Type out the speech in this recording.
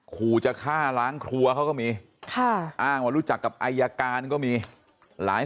ขู่จะฆ่าล้างครัวเขาก็มีค่ะอ้างว่ารู้จักกับอายการก็มีหลาย